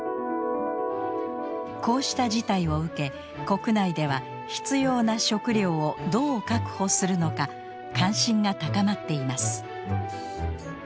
こうした事態を受け国内では必要な食料をどう確保するのか関心が高まっています。